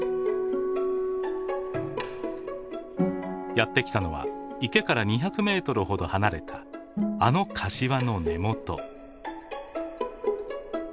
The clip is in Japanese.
やって来たのは池から２００ｍほど離れたあのカシワの根元。